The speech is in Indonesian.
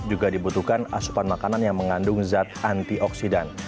juga dibutuhkan asupan makanan yang mengandung zat antioksidan